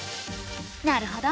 なるほど。